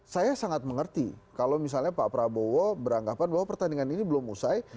saya sangat mengerti kalau misalnya pak prabowo beranggapan bahwa pertandingan ini belum usai